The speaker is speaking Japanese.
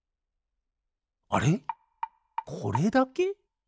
あれこれだけ？